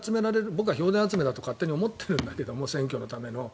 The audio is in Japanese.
僕は票田集めだと勝手に思っているんだけど選挙のための。